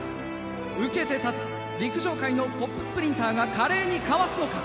受けて立つ陸上界のトップスプリンターが華麗にかわすのか。